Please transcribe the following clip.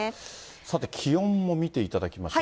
さて気温も見ていただきましょうか。